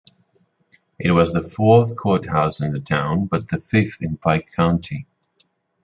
It was the fourth courthouse in the town, but the fifth in Pike County.